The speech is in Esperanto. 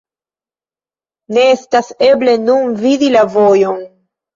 Ne estas eble nun vidi la vojon.